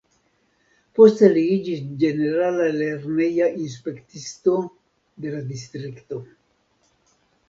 Poste li iĝis ĝenerala lerneja inspektisto de la distrikto.